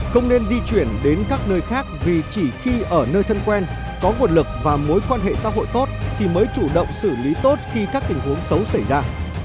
không nên di chuyển đến các nơi khác vì chỉ khi ở nơi thân quen có nguồn lực và mối quan hệ xã hội tốt thì mới chủ động xử lý tốt khi các tình huống xấu xảy ra